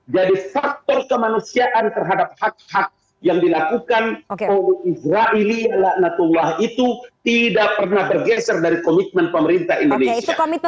jadi faktor kemanusiaan terhadap hak hak yang dilakukan oleh izraeli ala natullah itu tidak pernah bergeser dari komitmen pemerintah indonesia